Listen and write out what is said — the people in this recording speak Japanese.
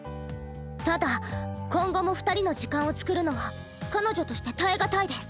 ただ今後も二人の時間を作るのは彼女として耐え難いです。